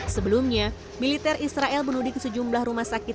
sebelumnya militer israel menudik sejumlah rumah sakit